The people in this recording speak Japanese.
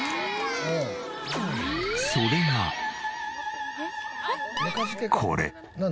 それがこれ。